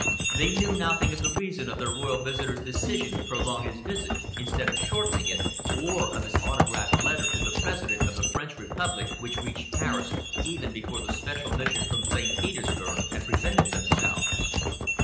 They knew nothing of the reason of their royal visitor's decision to prolong his visit instead of shortening it, or of his autograph letter to the President of the French Republic, which reached Paris even before the special mission from St. Petersburg had presented themselves.